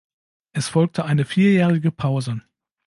Es folgte eine vierjährige Pause.